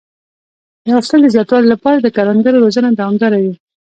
د حاصل د زیاتوالي لپاره د کروندګرو روزنه دوامداره وي.